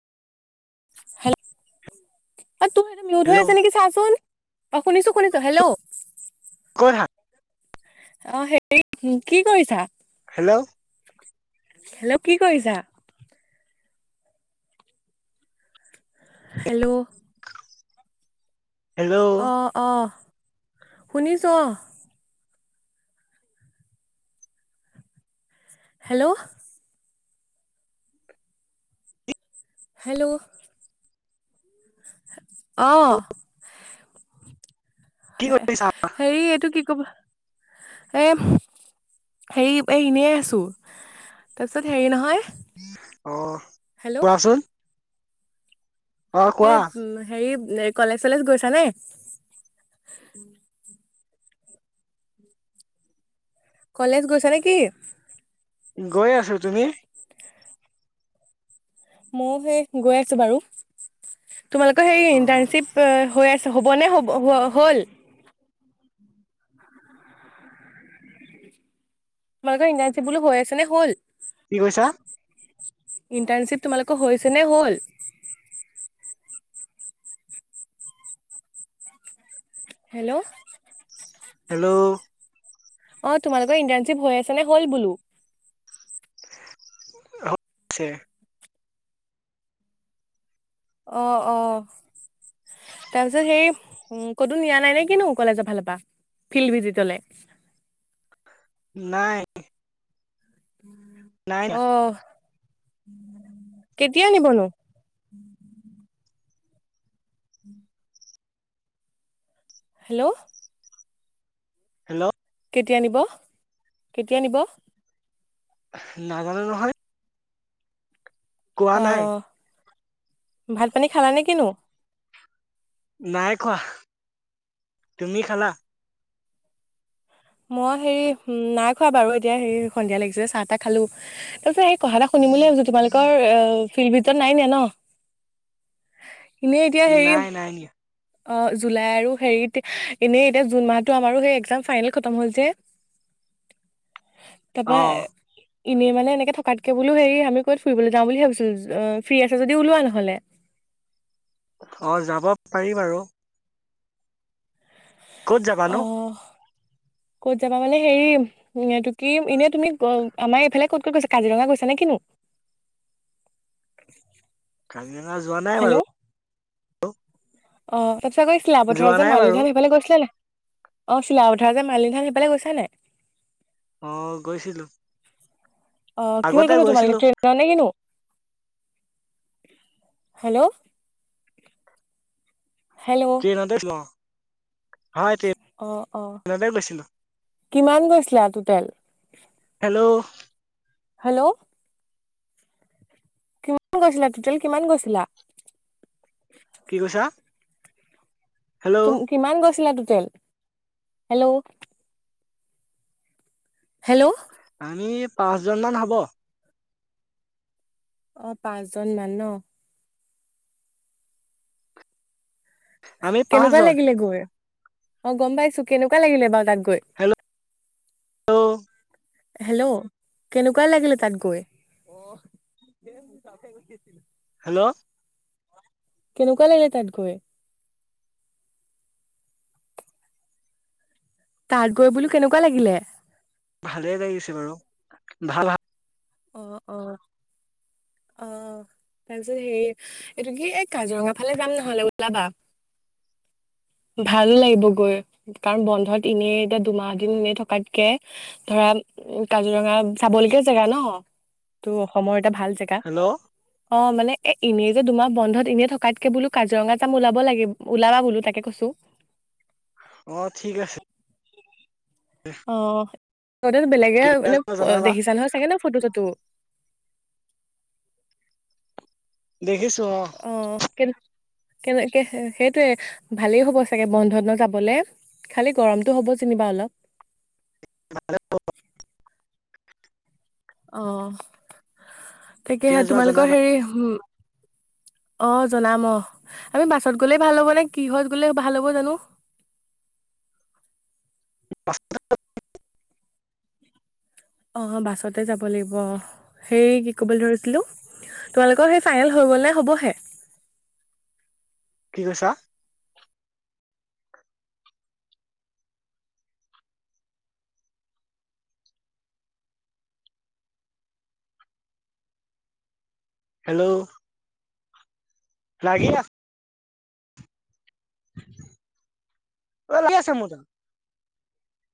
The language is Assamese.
হেল্ল [unintelligible] অ তোৰ সেইটো মই হেল্ল' আছে নেকি চাচোন অ শুনিছো শুনিছো হেল্ল' [inaudible] অ হেৰি কি কৰিছা হেল্ল' হেল্ল' কি কৰিছা হেল্ল' হেল্ল' অ অ শুনিছো অহ হেল্ল' হেল্ল' [unintelligible] অ [inaudible] কি কৰিছা হেৰি এইটো কি কবা এ [inaudible] হেৰি এ এনেই আছো তাৰপিছত হেৰি নহয় অ [unintelligible] হেল্ল' কোৱাচোন অ এই কোৱা হেৰি এ কলেজ চলেজ গৈছানে কলেজ গৈছা নেকি গৈ আছো তুমি মইয়ো সেই গৈ আছো বাৰু তোমালোকৰ সেই অ ইন্টাৰ্শিপ হৈ আছে হ'বনে হ'ব হ হ'ল তোমালোকৰ ইনাৰ্শ্বিপ বোলো হৈ আছে নে হ'ল কি কৈছা ইণ্টাৰ্ণশ্বিপ তোমালোকৰ হৈছে নে হ'ল হেল্ল' [unintelligible] হেল্ল' অ তোমালোকৰ ইণ্টাৰ্ণশ্বিপ হৈ আছে নে হল বোলো হয় [unintelligible] অ অ তাৰপিছত সেই ক'তো নিয়া নাই নে কিনো কলেজৰ ফালৰ পৰা ফিল্ড ভিজিটলে নাই নাই না। অহ কেতিয়া নিবনো উম [inaudible] হেল্ল' হেল্ল' কেতিয়া নিব কেতিয়া নিব? নাজানো নহয় কোৱা নাই অহ ভাত পানী খালানে কিনো নাই খোৱা, তুমি খালা? মই হেৰি নাই খোৱা বাৰু এতিয়া হেৰি সন্ধিয়া লাগিছে চাহ তাহ খালো তাৰপিছত কথা এটা শুনিম বুলি ভাবিছোঁ তোমালোকৰ অ [inaudible] ভিতৰত নাই নিয়া ন এনেই এতিয়া হেৰি নাই নাই নিয়া অ জুলাই আৰু হেৰিত এনেই এতিয়া জুন মাহটো আমাৰ সেই এক্সাম ফাইনেল খতম হ'ল যে তাৰপৰা অ এনেই মানে এনেকে থকাতকে বোলো হেৰি আমি ক'ত ফুৰিবলৈ যাওঁ বুলি ভাবিছো ফ্ৰী আছে যদি ওলোৱা নহলে অ যাব পাৰি বাৰু ক'ত যাবানো আহ ক'ত যাবা মানে হেৰি এইটো কি এনে তুমি আমাৰ এইফালে ক'ত ক'ত গৈছা কাজিৰঙা গৈছা নে কিনো কাজিৰঙা যোৱা নাই বাৰু হেল্ল' অ [unintelligible] গৈছিলা যোৱা বোধহয়, যে নাই বাৰু মালিধান সেইফালে গৈছিলা নে? অ [unintelligible] মালিধান সিফালে গৈছা নে? অহ' গৈছিলোঁ। অ' কিহেৰে গৈছিলা তোমালোকে ট্ৰেইনেৰে নে কিনো? হেল্ল'। হেল্ল' ট্ৰেইনতে গৈ- অ' হয় অ' অ' ট্ৰেইনতে গৈছিলো কিমান গৈছিলা টোটেল? হেল্লো'। হেল্লো'। কিমান গৈছিলা টোটেল? কিমান গৈছিলা? কি কৈছা হেল্ল' তুম, কিমান গৈছিলা [inaudible] হেল্ল'। হেল্লো'। আমি পাঁচজনমান হ'ব। অ' পাঁচজন মান ন? আমি কেনেকুৱা পাঁচজন লাগিলে গৈ? অ' গম পাইছো। কেনেকুৱা লাগিলে বাৰু তাত গৈ? হেল্ল' হেল্লো', কেনেকুৱা লাগিলে তাত গৈ? হেল্ল'। কেনেকুৱা লাগিলে তাত গৈ? তাত গৈ বোলো কেনেকুৱা লাগিলে? ভালে লাগিছে বাৰু ভাল হা অ', অ'। অ', তাৰপিছত হে এইটো কি এই কাজিৰঙা ফালে যাম নহ'লে ওলাবা, ভালো লাগিব গৈ, কাৰণ বন্ধত এনেই এতিয়া দুমাহ দিন এনেই থকাতকে ধৰা কাজিৰঙা চাবলগীয়া জেগা ন' টো অসমৰ এটা ভাল জেগা। হেল্ল'। অ', মানে এ এনেই যে দুমাহ বন্ধত এনেই থকাতকে বোলো কাজিৰঙা যাম ওলাব লাগে, ওলাবা বোলো তাকে কৈছো। অ', ঠিক আছে। অহ। তহঁতেতো বেলেগে কেতিয়া মানে যোৱা জনাবা দেখিছা নহয়, চাগে ন' ফটো চটো। দেখিছো অ'। কেনেকে সে-সেইটোৱে, ভালেই হ'ব চাগে বন্ধত ন যাবলে? খালি গৰমটো হ'ব যেনিবা অলপ। ভালে [unintelligible] অহ'। কেতিয়া তাকেহে যোৱা তোমালোকৰ জনাবা হেৰি অ', জনাম অ', আমি বাছত গ'লে ভাল হ'ব নে কিহত গ'লে ভাল হ'ব জানো? [unintelligible] অ', বাছতে যাব লাগিব। অ', হেই কি ক'বলৈ ধৰিছিলো? তোমালোকৰ সেই ফাইনেল হৈ গ'লে নে হ'বহে? কি কৈছা হেল্ল' লাগি লাগি আছে মোৰ তাত